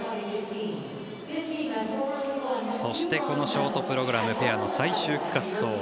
そして、ショートプログラムペアの最終滑走。